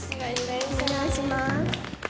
お願いします。